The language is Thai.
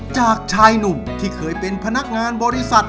จากชายหนุ่มที่เคยเป็นพนักงานบริษัท